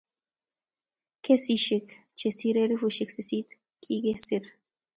kesishek chesire elfusiek sisit kigesir